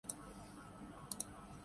اب معاملہ کھل رہا ہے۔